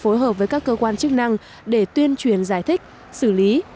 phối hợp với các cơ quan chức năng để tuyên truyền giải thích xử lý